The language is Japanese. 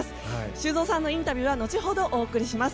修造さんのインタビューは後ほどお送りします。